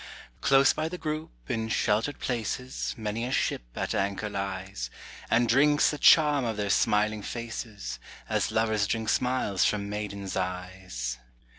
Close by the group, in sheltered places, Many a ship at anchor lies, And drinks the charm of their smiling faces, As lovers drink smiles from maidens' eyes.